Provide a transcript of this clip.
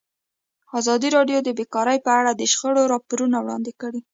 ازادي راډیو د بیکاري په اړه د شخړو راپورونه وړاندې کړي.